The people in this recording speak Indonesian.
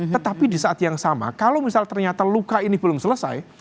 tetapi di saat yang sama kalau misal ternyata luka ini belum selesai